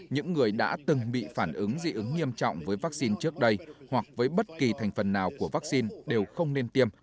những người đã từng bị phản ứng dị ứng nghiêm trọng với vaccine trước đây hoặc với bất kỳ thành phần nào của vaccine đều không nên tiêm